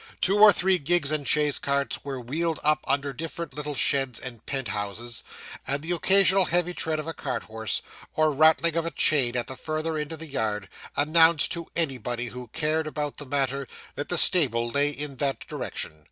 Two or three gigs and chaise carts were wheeled up under different little sheds and pent houses; and the occasional heavy tread of a cart horse, or rattling of a chain at the farther end of the yard, announced to anybody who cared about the matter, that the stable lay in that direction.